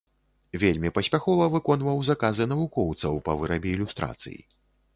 Вельмі паспяхова выконваў заказы навукоўцаў па вырабе ілюстрацый.